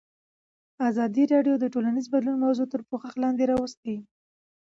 ازادي راډیو د ټولنیز بدلون موضوع تر پوښښ لاندې راوستې.